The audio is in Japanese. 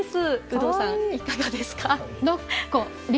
有働さん、いかがですか？